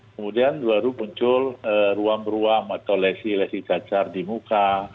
kemudian baru muncul ruam ruam atau lesi lesi cacar di muka